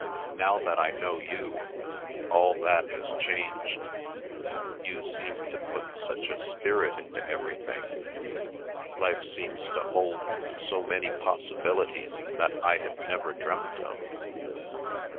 Now that I know you, all that has changed. You seem to put such a spirit into everything. Life seems to hold so many possibilities that I had never dreamt of."